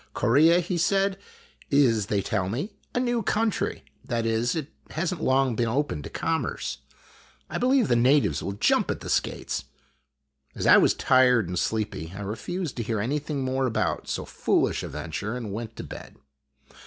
" Corea," he said, " is, they tell me, a new country. That is, it has n't long been open to commerce. I believe the natives will jump at the skates !" As I was tired and sleepy I refused to hear anything more about so foolish a venture, and went to bed.